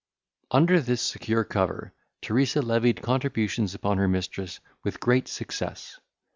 Under this secure cover, Teresa levied contributions upon her mistress with great success.